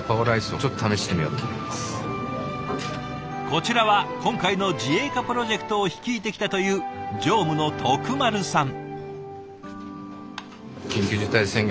こちらは今回の自営化プロジェクトを率いてきたという常務の徳丸さん。